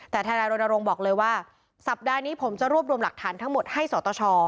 แต่ทนายรณรงค์บอกเลยว่าสัปดาห์นี้ผมจะรวบรวมหลักฐานทั้งหมดให้สตช